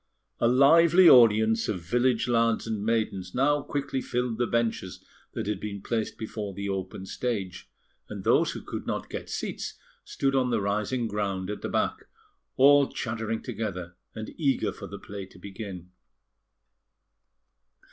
A lively audience of village lads and maidens now quickly filled the benches that had been placed before the open stage; and those who could not get seats, stood on the rising ground at the back, all chattering together and eager for the play to begin.